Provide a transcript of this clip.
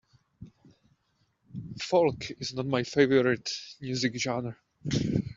Folk is not my favorite music genre.